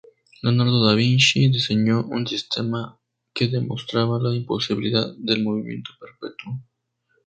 Leonardo da Vinci diseñó un sistema que demostraba la imposibilidad del movimiento perpetuo.